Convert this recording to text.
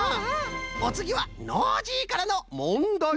おつぎはノージーからのもんだいです。